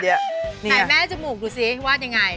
แม่จมูกดูสิวาดยังไง